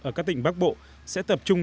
ở các tỉnh bắc bộ sẽ tập trung